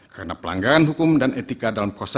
karena pelanggaran hukum dan etika dalam proses ini